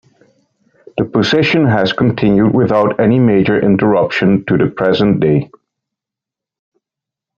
The position has continued without any major interruption to the present day.